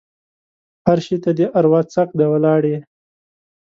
هر شي ته دې اروا څک دی؛ ولاړ يې.